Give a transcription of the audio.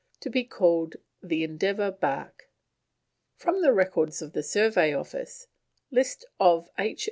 To be called The Endeavour Bark." From the Records of the Survey Office, List of H.